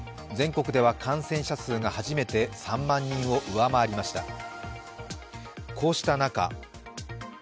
全国では感染者数が初めて３万人を上回りました。